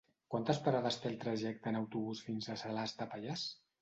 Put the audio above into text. Quantes parades té el trajecte en autobús fins a Salàs de Pallars?